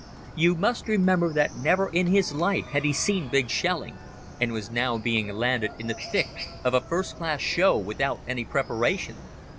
You must remember that never in his life had he seen big shelling, and was now being landed in the thick of a first class show without any preparation.